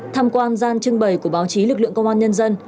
tham quan gian trưng bày của báo chí lực lượng công an nhân dân